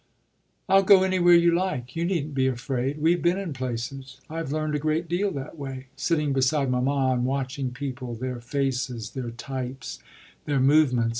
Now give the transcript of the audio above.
I'll go anywhere you like; you needn't be afraid; we've been in places! I've learned a great deal that way sitting beside mamma and watching people, their faces, their types, their movements.